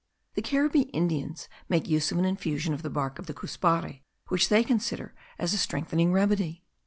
The Caribbee Indians make use of an infusion of the bark of the cuspare, which they consider as a strengthening remedy.